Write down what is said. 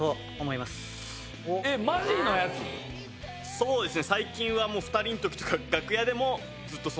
そうですね。